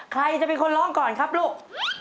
ใครจะเป็นคนร้องก่อนครับลูก